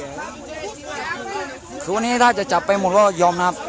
อ่ะอืมนี่ย่ออันนี้ถ้าจะจับไปหมดแล้วอย่อมนะครับ